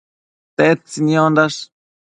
Tedtsi niondash?